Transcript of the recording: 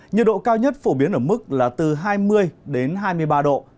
nhiệt độ cao nhất phổ biến ở mức là từ hai mươi đến hai mươi ba độ